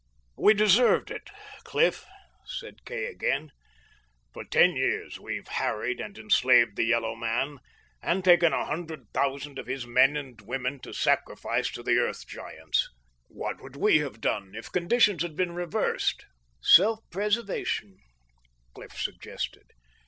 "We deserved it, Cliff," said Kay again. "For ten years we've harried and enslaved the yellow man, and taken a hundred thousand of his men and women to sacrifice to the Earth Giants. What would we have done, if conditions had been reversed?" "Self preservation," Cliff suggested.